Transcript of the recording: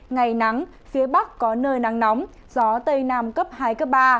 ngày nắng phía bắc có nơi nắng nóng gió tây nam cấp hai cấp ba